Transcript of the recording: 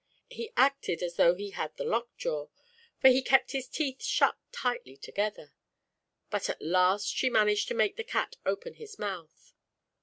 He acted as though he had the lock jaw, for he kept his teeth shut tightly together. But at last she managed to make the cat open his mouth.